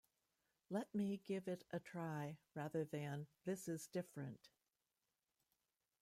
Let me give it a try', rather than 'This is different.